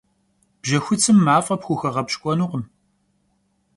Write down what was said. Bjexutsım maf'e pxuxeğepşk'uenkhım.